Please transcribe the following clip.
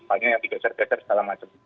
pokoknya yang digajar gajar segala macam